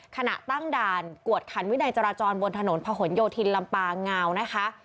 ขณะตั้งด่านกวดขันวินัยจราจรบนถนนพะหนโยธินลำปางาวนะคะ